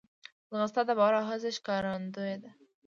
ځغاسته د باور او هڅې ښکارندوی ده